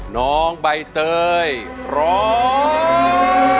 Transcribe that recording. น้องใบเตยร้อง